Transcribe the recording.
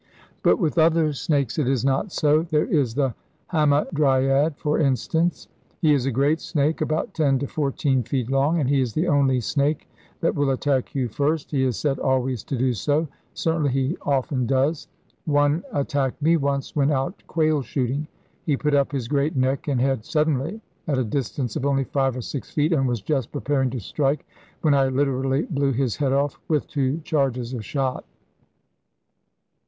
But with other snakes it is not so. There is the hamadryad, for instance. He is a great snake about ten to fourteen feet long, and he is the only snake that will attack you first. He is said always to do so, certainly he often does. One attacked me once when out quail shooting. He put up his great neck and head suddenly at a distance of only five or six feet, and was just preparing to strike, when I literally blew his head off with two charges of shot.